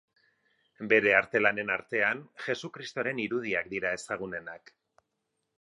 Bere arte lanen artean Jesu Kristoren irudiak dira ezagunenak.